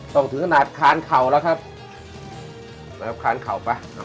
ถึงขนาดคานเข่าแล้วครับนะครับคานเข่าป่ะ